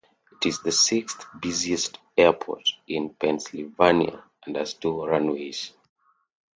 It is the sixth busiest airport in Pennsylvania, and has two runways.